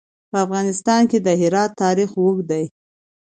په افغانستان کې د هرات تاریخ اوږد دی.